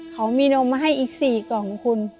เขามีนมมาให้อีก๔กล่องคุณ